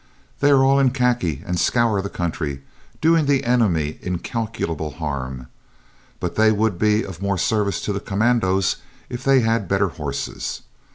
"They are all in khaki and scour the country, doing the enemy incalculable harm, but they would be of more service to the commandos if they had better horses.